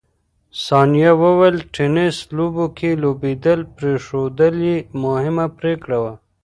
ثانیه وویل، ټېنس لوبو کې لوبېدل پرېښودل یې مهمه پرېکړه وه.